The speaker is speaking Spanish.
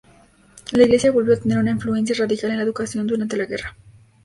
La Iglesia volvió a tener una influencia radical en la educación durante la guerra.